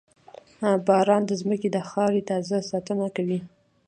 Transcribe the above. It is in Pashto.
• باران د زمکې د خاورې تازه ساتنه کوي.